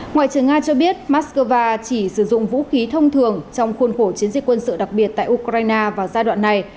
ngoại trưởng nga cho biết moscow chỉ sử dụng vũ khí thông thường trong khuôn khổ chiến dịch quân sự đặc biệt tại ukraine vào giai đoạn này